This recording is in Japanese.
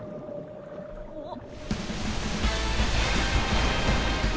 あっ！